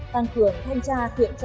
tăng cường thanh tra kiểm tra